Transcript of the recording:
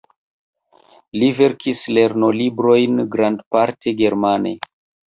Li verkis lernolibrojn grandparte germane.